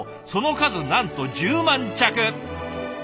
その数なんと１０万着！